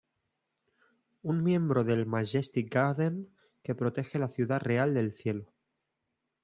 Una miembro del "Majestic Garden" que protege la ciudad real del Cielo.